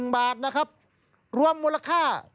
๑บาทนะครับรวมมูลค่า